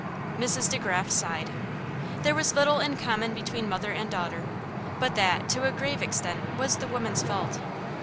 Mrs. De Graf sighed. There was little in common between mother and daughter; but that, to a grave extent, was the woman's fault.